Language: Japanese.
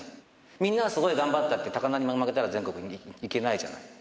みんなはすごい頑張ったって高輪に負けたら全国に行けないじゃない。